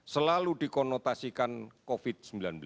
selalu dikonotasikan covid sembilan belas